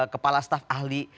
kepala staff ahli